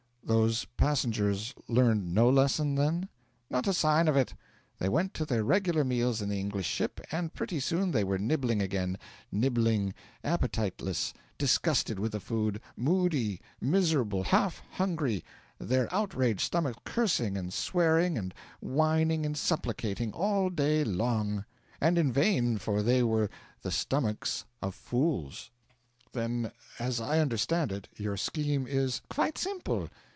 'Those passengers learned no lesson, then?' 'Not a sign of it. They went to their regular meals in the English ship, and pretty soon they were nibbling again nibbling, appetiteless, disgusted with the food, moody, miserable, half hungry, their outraged stomachs cursing and swearing and whining and supplicating all day long. And in vain, for they were the stomachs of fools.' 'Then, as I understand it, your scheme is ' 'Quite simple.